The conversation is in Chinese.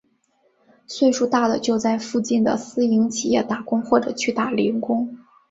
岁数大的就在附近的私营企业打工或者去打零工。